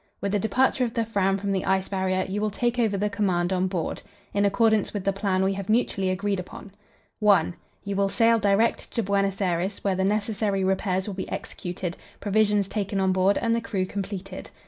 With the departure of the Fram from the Ice Barrier, you will take over the command on board. In accordance with the plan we have mutually agreed upon "1. You will sail direct to Buenos Aires, where the necessary repairs will be executed, provisions taken on board, and the crew completed.